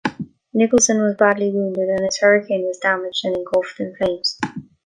Nicolson was badly wounded, and his Hurricane was damaged and engulfed in flames.